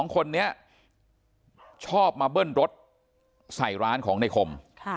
๒คนนี้ชอบมาเบิ้ลรถใส่ร้านของในคม